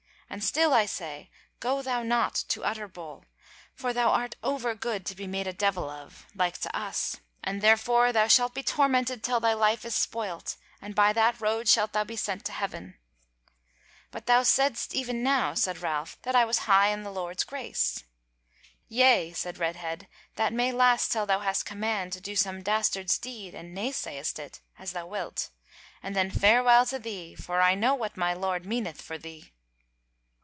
And still I say, go thou not to Utterbol: for thou art over good to be made a devil of, like to us, and therefore thou shalt be tormented till thy life is spoilt, and by that road shalt thou be sent to heaven." "But thou saidst even now," said Ralph, "that I was high in the Lord's grace." "Yea," said Redhead, "that may last till thou hast command to do some dastard's deed and nay sayest it, as thou wilt: and then farewell to thee; for I know what my Lord meaneth for thee."